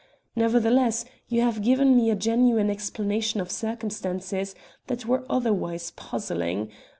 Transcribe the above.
Nevertheless, you have given me a genuine explanation of circumstances that were otherwise puzzling.